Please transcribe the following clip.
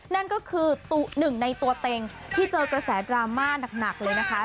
นั่นก็คือหนึ่งในตัวเต็งที่เจอกระแสดราม่าหนักเลยนะคะ